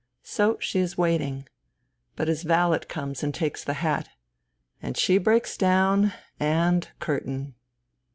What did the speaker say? So she is waiting. But his valet comes and takes the hat ; and she breaks down — and curtain